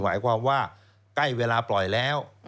หมายความว่าใกล้เวลาปล่อยแล้ว